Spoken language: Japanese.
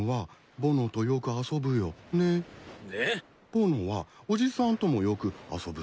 ぼのはおじさんともよく遊ぶんだよ。